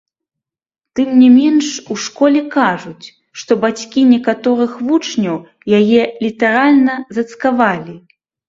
Тым не менш, у школе кажуць, што бацькі некаторых вучняў яе літаральна зацкавалі.